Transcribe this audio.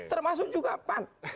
termasuk juga pak